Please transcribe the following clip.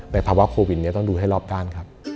ภาวะโควิดต้องดูให้รอบด้านครับ